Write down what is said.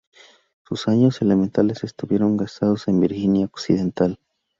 Sus años elementales estuvieron gastados en Virginia Occidental.